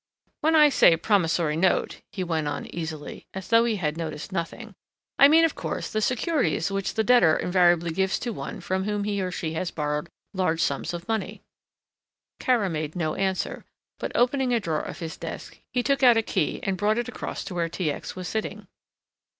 "When I say promissory note," he went on easily, as though he had noticed nothing, "I mean, of course, the securities which the debtor invariably gives to one from whom he or she has borrowed large sums of money." Kara made no answer, but opening a drawer of his desk he took out a key and brought it across to where T. X. was sitting.